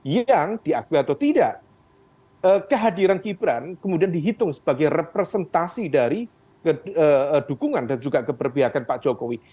yang diakui atau tidak kehadiran gibran kemudian dihitung sebagai representasi dari dukungan dan juga keberpihakan pak jokowi